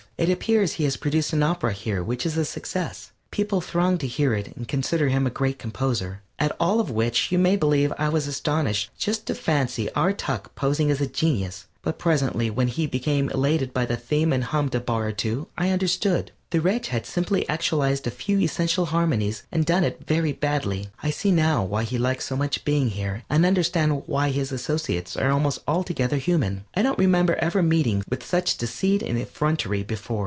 It appears he has produced an opera here which is a success. People throng to hear it and consider him a great composer. At all of which, you may believe, I was astonished just fancy our Tuk posing as a genius! but presently when he became elated by the theme and hummed a bar or two, I understood. The wretch had simply actualized a few essential harmonies and done it very badly. I see now why he likes so much being here, and understand why his associates are almost altogether human. I don't remember ever meeting with such deceit and effrontery before.